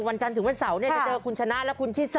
วันจันทร์ถึงวันเสาร์เนี่ยจะเจอคุณชนะและคุณชิสา